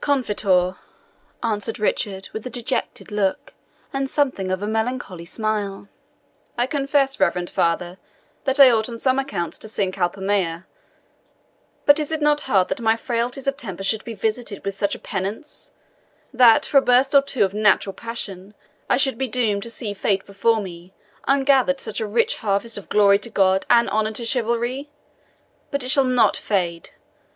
"CONFITEOR," answered Richard, with a dejected look, and something of a melancholy smile "I confess, reverend father, that I ought on some accounts to sing CULPA MEA. But is it not hard that my frailties of temper should be visited with such a penance that, for a burst or two of natural passion, I should be doomed to see fade before me ungathered such a rich harvest of glory to God and honour to chivalry? But it shall NOT fade.